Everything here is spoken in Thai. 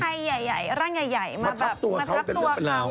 ผู้ชายใหญ่ร่างใหญ่มาทักตัวเขาอะไรอย่างนี้หรอ